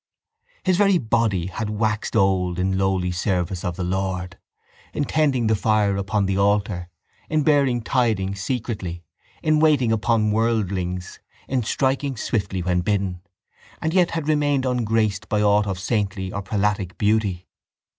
His very body had waxed old in lowly service of the Lord—in tending the fire upon the altar, in bearing tidings secretly, in waiting upon worldlings, in striking swiftly when bidden—and yet had remained ungraced by aught of saintly or of prelatic beauty.